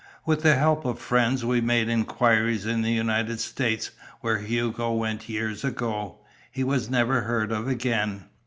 With the help of friends we made inquiry in the United States, where Hugo went years ago. He was never heard of again."